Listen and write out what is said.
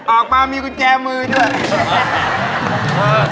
ออกมามีกุญแจมือด้วย